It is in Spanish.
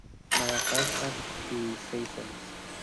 Madagascar y Seychelles.